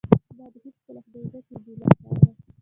ما دې هیڅکله خدای نه کا بې له تانه.